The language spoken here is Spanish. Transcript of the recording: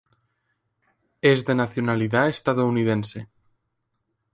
Es de nacionalidad estadounidense.